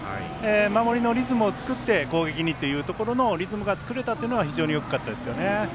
守りのリズムを作って攻撃にっていうところのリズムが作れたのは非常に大きかったですよね。